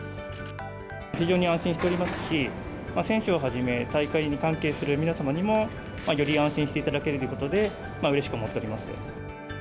非常に安心しておりますし、選手をはじめ、大会に関係する皆様にも、より安心していただけるということで、うれしく思っております。